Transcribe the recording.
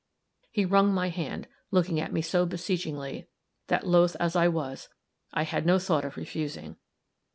He wrung my hand, looking at me so beseechingly, that, loth as I was, I had no thought of refusing.